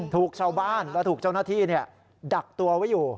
ถูกชาวบ้านและถูกเจ้าหน้าที่ดักตัวไว้อยู่